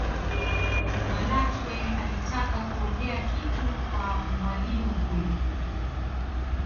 malatwe alitaka kuongea kitu kwa mwalimu huyo